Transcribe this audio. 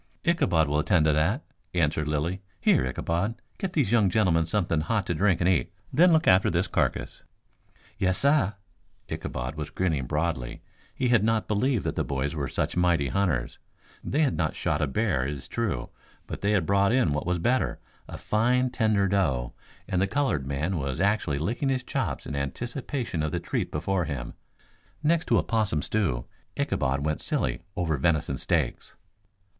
"Ichabod will attend to that," answered Lilly. "Here, Ichabod. Get these young gentlemen something hot to drink and eat, then look after this carcass." "Yes, sah." Ichabod was grinning broadly. He had not believed that the boys were such mighty hunters. They had not shot a bear, it is true, but they had brought in what was better a fine, tender doe, and the colored man was actually licking his chops in anticipation of the treat before him. Next to a 'possum stew Ichabod went silly over venison steaks.